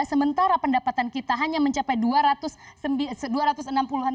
sementara pendapatan kita hanya mencapai dua ratus triliun